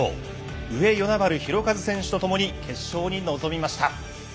上与那原寛和選手とともに決勝に臨みました。